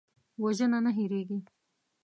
وژنه نه هېریږي